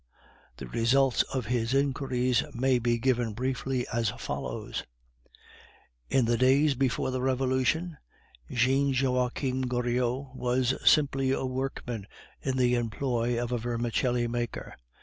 The results of his inquiries may be given briefly as follows: In the days before the Revolution, Jean Joachim Goriot was simply a workman in the employ of a vermicelli maker.